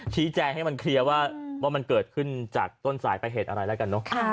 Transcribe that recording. ชี้แจงให้มันเคลียร์ว่ามันเกิดขึ้นจากต้นสายไปเหตุอะไรแล้วกันเนอะ